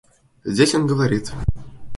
Здесь он говорит...